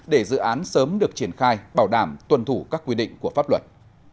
được triển khai bảo đảm tuân thủ các quy định của pháp luật